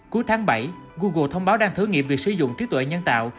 cuối tháng bảy google thông báo đang thử nghiệm việc sử dụng trí tuệ nhân tạo